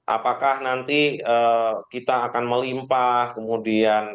apakah nanti kita akan melimpah kemudian